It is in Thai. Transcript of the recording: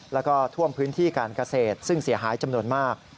แล้วก็ท่วมพื้นที่การเกษตรซึ่งเสียหายจำนวนมาก